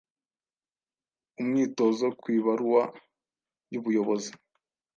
Umwitozo ku ibaruwa y’ubuyobozi